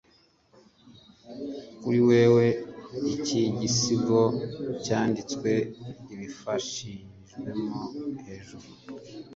Kuri wewe iki gisigo cyanditswe ubifashijwemo hejuru